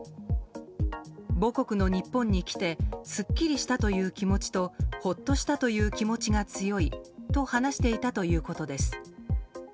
母国の日本に来てすっきりしたという気持ちとほっとしたという気持ちが強いと話していたということです。